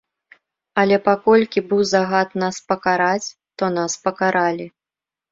Але паколькі быў загад нас пакараць, то нас пакаралі.